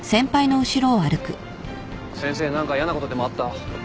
先生何か嫌なことでもあった？